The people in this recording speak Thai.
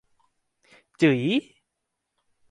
จึ๋ย